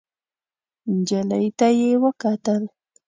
نجلۍ ته يې وکتل.